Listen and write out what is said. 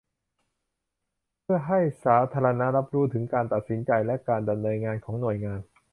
เพื่อให้สาธารณะรับรู้ถึงการตัดสินใจ และ การดำเนินงานของหน่วยงาน